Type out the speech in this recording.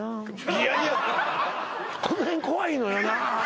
いやいやこの辺怖いのよな